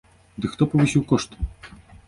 Дык хто павысіў кошты?